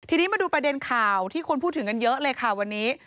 ทีนี้มาดูประเด็นข่าวที่คนพูดถึงกันเยอะเลยค่ะวันนี้